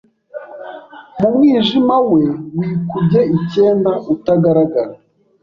mu mwijima we wikubye icyenda Utagaragara